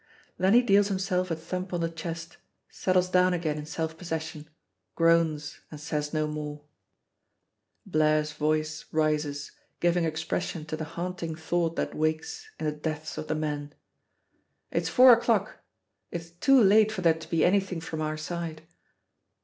Then he deals himself a thump on the chest, settles down again in self possession, groans, and says no more. Blaire's voice rises, giving expression to the haunting thought that wakes in the depths of the men: "It's four o'clock. It's too late for there to be anything from our side."